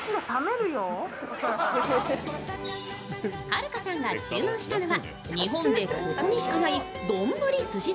はるかさんが注文したのは日本でここにしかないどんぶりすし